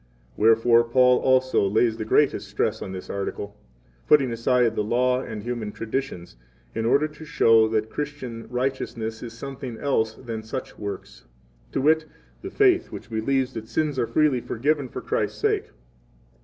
Wherefore Paul also lays 5 the greatest stress on this article, putting aside the Law and human traditions, in order to show that Christian righteousness is something else than such works, to wit, the faith which believes that sins 6 are freely forgiven for Christ's sake.